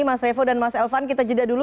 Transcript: mas revo dan mas elvan kita jeda dulu